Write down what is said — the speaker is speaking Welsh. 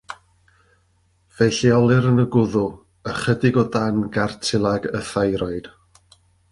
Fe'i lleolir yn y gwddf, ychydig o dan gartilag y thyroid.